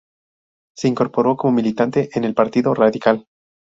Se incorporó como militante en el Partido Radical.